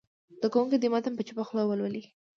زده کوونکي دې متن په چوپه خوله ولولي.